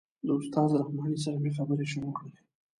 د استاد رحماني سره مې خبرې شروع کړلې.